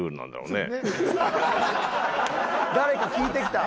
誰か聞いてきた。